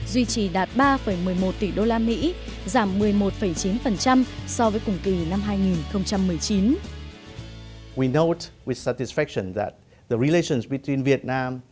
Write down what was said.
duy trì đạt ba một mươi một tỷ usd giảm một mươi một chín so với cùng kỳ năm hai nghìn một mươi chín